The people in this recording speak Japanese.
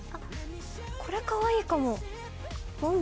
これかわいいかも！